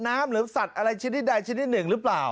น้ำหรือสัตว์อะไรชนิดหนึ่งรึเปล่า